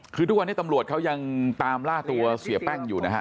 คือทุกวันนี้ตำรวจเขายังตามล่าตัวเสียแป้งอยู่นะฮะ